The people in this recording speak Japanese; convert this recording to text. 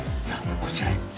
さあこちらへ。